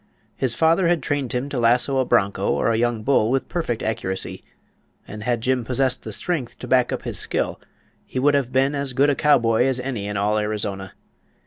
His father had trained him to lasso a bronco or a young bull with perfect accuracy, and had Jim possessed the strength to back up his skill he would have been as good a cowboy as any in all Arizona.